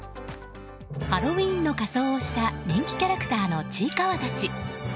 ハロウィーンの仮装をした人気キャラクターのちいかわたち。